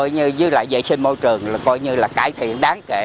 như là dễ sinh môi trường coi như là cải thiện đáng kể